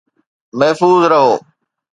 محفوظ رهو.